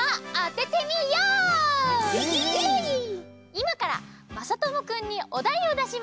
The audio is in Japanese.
いまからまさともくんにおだいをだします。